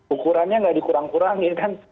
ukurannya nggak dikurang kurangin kan